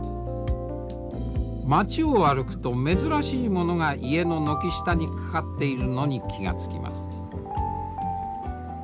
町を歩くと珍しいものが家の軒下に掛かっているのに気が付きます。